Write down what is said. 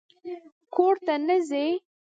_کور ته نه ځې؟